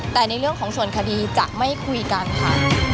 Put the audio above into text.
แต่ในเรื่องของส่วนคดีจะไม่คุยกันค่ะ